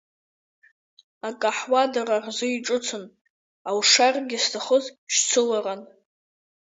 Акаҳуа дара рзы иҿыцын, алшарагьы зҭахыз шьцыларан.